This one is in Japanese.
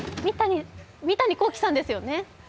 三谷幸喜さんですよね？